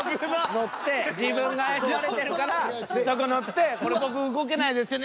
乗って自分が怪しまれてるからそこ乗って「これ僕動けないですよね」